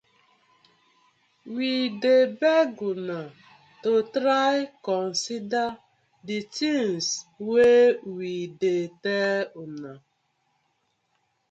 We dey beg una to try consider the tinz wey we dey tell una.